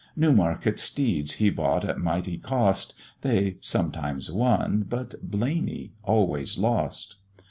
Newmarket steeds he bought at mighty cost; They sometimes won, but Blaney always lost.